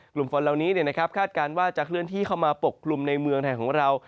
กลุ่มฝนเหล่านี้คาดการณ์ว่าจะเคลื่อนที่เข้ามาปกกลุ่มในเมืองไทยของเรา